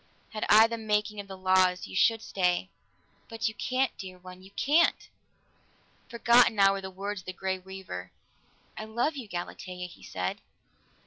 "Had I the making of the laws, you should stay. But you can't, dear one. You can't!" Forgotten now were the words of the Grey Weaver. "I love you, Galatea," he said.